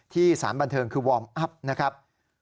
สารบันเทิงคือวอร์มอัพนะครับ